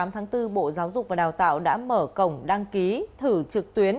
hai mươi tám tháng bốn bộ giáo dục và đào tạo đã mở cổng đăng ký thử trực tuyến